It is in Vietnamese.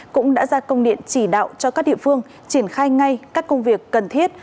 cũng đã ra công điện chỉ đạo cho các địa phương triển khai ngay các công việc cần thiết